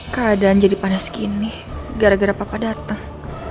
keadaan jadi panas gini gara gara papa datang